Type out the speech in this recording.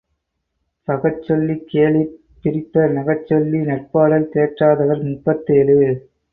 பகச்சொல்லிக் கேளிர்ப் prepare நகச்சொல்வி நட்பாடல் தேற்றா தவர் முப்பத்தேழு.